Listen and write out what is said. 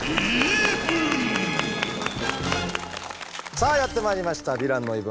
さあやってまいりました「ヴィランの言い分」。